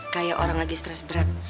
kayak orang lagi stres berat